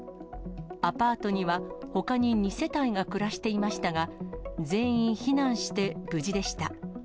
アパートには、ほかに２世帯が暮らしていましたが、全員避難して無事でした。